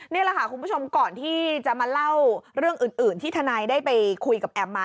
นี่แหละค่ะคุณผู้ชมก่อนที่จะมาเล่าเรื่องอื่นที่ทนายได้ไปคุยกับแอมมา